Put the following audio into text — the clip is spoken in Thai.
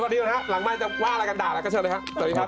สวัสดีครับหลังมายจะว่าอะไรกันด่าแล้วก็เชิญเลยครับสวัสดีครับ